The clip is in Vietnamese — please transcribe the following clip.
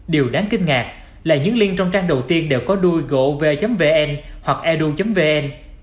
điều đáng kinh ngạc là những liên trong trang đầu tiên đều có đuôi gov vn hoặc edu vn